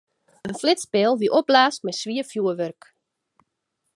In flitspeal wie opblaasd mei swier fjurwurk.